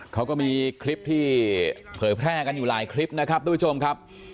เขาก็มีคลิปที่เผยแพร่กันอยู่หลายคลิปนะครับทุกผู้ชมครับ